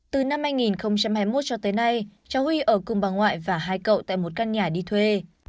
từ năm hai nghìn hai mươi một cho tới nay cháu huy ở cùng bà ngoại và hai cậu tại một căn nhà đi thuê